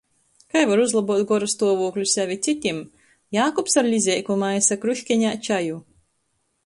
Kai var uzlobuot gorastuovūkli sev i cytim? Jākubs ar lizeiku maisa kruškeņā čaju.